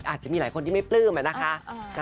อาจจะมีหลายคนที่ไม่ปลื้มอะนะคะ